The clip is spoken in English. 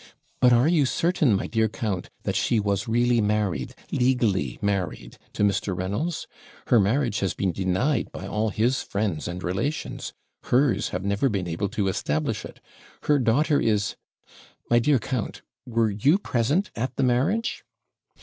'But are you certain, my dear count, that she was really married, legally married, to Mr. Reynolds? Her marriage has been denied by all his friends and relations hers have never been able to establish it her daughter is My dear count, were you present at the marriage?'